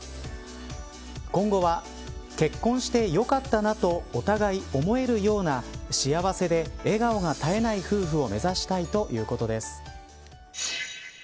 今後は結婚してよかったなとお互い思えるような幸せで笑顔が絶えない夫婦を目指したいということです。